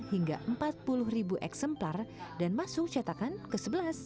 hingga empat puluh ribu eksemplar dan masuk cetakan ke sebelas